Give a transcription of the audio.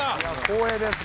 光栄です。